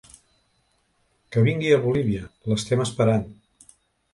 Que vingui a Bolívia, l’estem esperant.